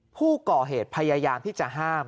ผู้ก่อเหตุพยายามที่จะห้าม